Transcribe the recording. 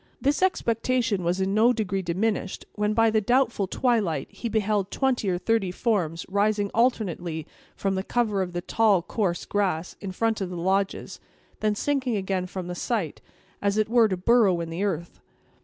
This expectation was in no degree diminished, when, by the doubtful twilight, he beheld twenty or thirty forms rising alternately from the cover of the tall, coarse grass, in front of the lodges, and then sinking again from the sight, as it were to burrow in the earth.